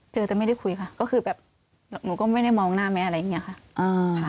เจอแต่ไม่ได้คุยค่ะก็คือแบบหนูก็ไม่ได้มองหน้าแม่อะไรอย่างนี้ค่ะ